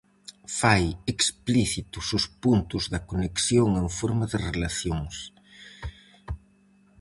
Fai explícitos os puntos da conexión en forma de relacións.